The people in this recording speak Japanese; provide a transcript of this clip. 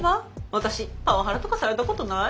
私パワハラとかされたことないわ。